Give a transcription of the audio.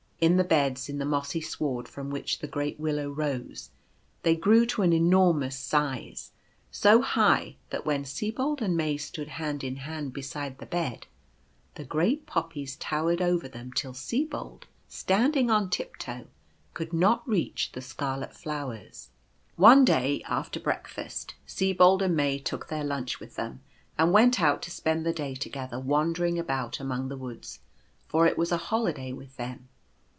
In the beds in the mossy sward, from which the great Willow rose, they grew to an enormous size; so high that when Sibold and May stood hand in hand beside the bed, the great Poppies towered over them till Sibold, standing on tiptoe, could not reach the scarlet flowers. One day after "breakfast, Sibold and May took their lunch with them, and went out to spend the day toge ther wandering about among the woods, for it was a holiday with them.